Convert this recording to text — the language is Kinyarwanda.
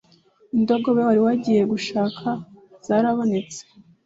indogobe wari wagiye gushaka zarabonetse